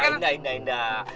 enggak enggak enggak